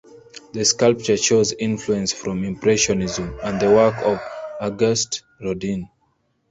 The sculpture shows influence from Impressionism and the work of Auguste Rodin.